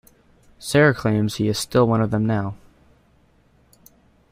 Sarah claims he is still one of them now.